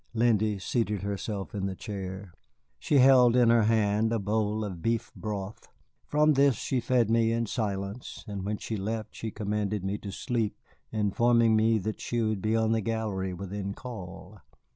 Lindy seated herself in the chair. She held in her hand a bowl of beef broth. From this she fed me in silence, and when she left she commanded me to sleep informing me that she would be on the gallery within call.